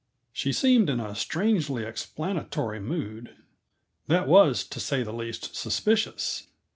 She seemed in a strangely explanatory mood, that was, to say the least, suspicious.